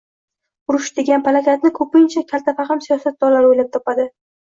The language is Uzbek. Urush degan palakatni, ko’pincha, kaltafahm siyosatdonlar o’ylab topadi.